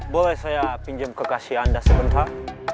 boleh saya pinjam kekasih anda sebentar